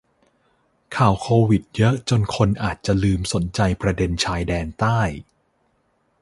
ข่าวโควิดเยอะจนคนอาจลืมสนใจประเด็นชายแดนใต้